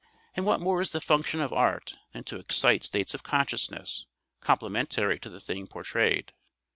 And what more is the function of art than to excite states of consciousness complementary to the thing portrayed?